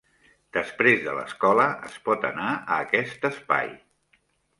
Després de l'escola es pot anar a aquest espai.